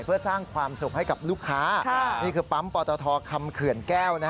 เพื่อสร้างความสุขให้กับลูกค้านี่คือปั๊มปอตทคำเขื่อนแก้ว